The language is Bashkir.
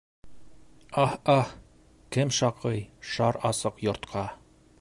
Аһ-аһ, кем шаҡый шар асыҡ йортҡа?